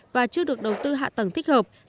và chưa được đầu tư hạ tầng thích hợp